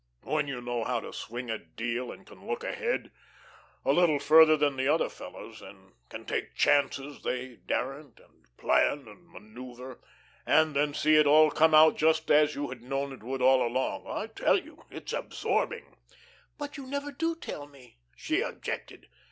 When you know how to swing a deal, and can look ahead, a little further than the other fellows, and can take chances they daren't, and plan and manoeuvre, and then see it all come out just as you had known it would all along I tell you it's absorbing." "But you never do tell me," she objected.